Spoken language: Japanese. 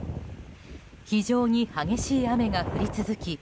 非常に激しい雨が降り続き